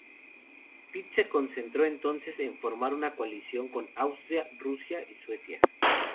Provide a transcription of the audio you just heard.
Pitt se concentró entonces en formar una coalición con Austria, Rusia y Suecia.